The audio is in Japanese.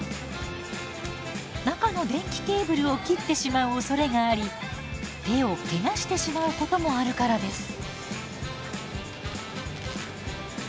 中の電気ケーブルを切ってしまうおそれがあり手をけがしてしまうこともあるからです。